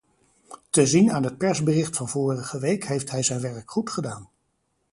Te zien aan het persbericht van vorige week heeft hij zijn werk goed gedaan.